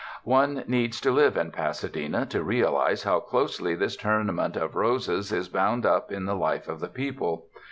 One needs to live in Pasadena to realize how closely this Tournament of Roses is bound up in the life of the people.